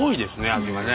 味がね。